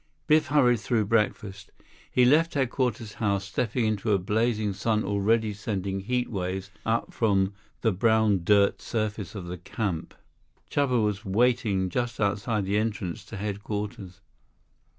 Biff hurried through breakfast. He left Headquarters House, stepping into a blazing sun already sending heat waves up from the brown dirt surface of the camp. Chuba was waiting just outside the entrance to headquarters.